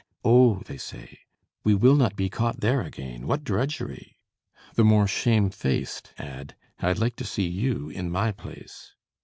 "Oh!" they say, "we will not be caught there again! what drudgery!" The more shamefaced add, "I'd like to see you in my place!"